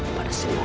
pada si orang ini